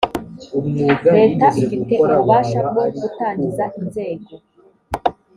leta ifite ububasha bwo gutangiza inzego.